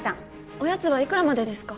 おやつはいくらまでですか？